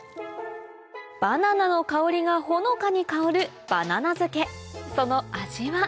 バナナの香りがほのかに香るその味は？